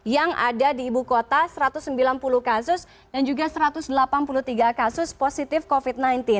yang ada di ibu kota satu ratus sembilan puluh kasus dan juga satu ratus delapan puluh tiga kasus positif covid sembilan belas